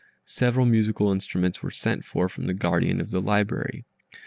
Several musical instruments were sent for from the guardian of the library.